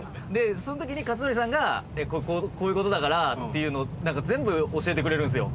その時に克典さんがこういう事だからっていうのを全部教えてくれるんですよ。